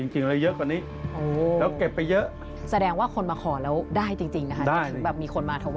จริงแล้วเยอะกว่านี้